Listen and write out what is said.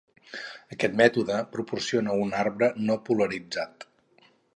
Aquest mètode proporciona un arbre no polaritzat.